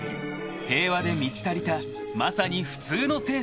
［平和で満ち足りたまさに普通の青春］